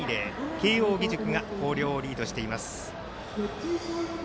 慶応義塾が広陵をリードしています。